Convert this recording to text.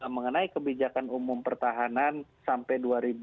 mengenai kebijakan umum pertahanan sampai dua ribu dua puluh